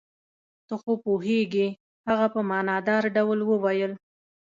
ته خو پوهېږې. هغه په معنی دار ډول وویل.